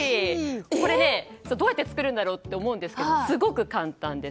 これ、どうやって作るんだろうと思うんですけどすごく簡単です。